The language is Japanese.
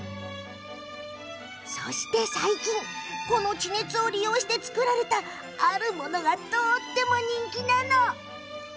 そして、最近この地熱を利用して作られたあるものが、とっても人気。